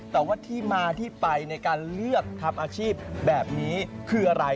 แต่ว่าที่มาที่ไปในการเลือกทำอาชีพแบบนี้คืออะไร